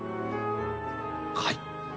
はい。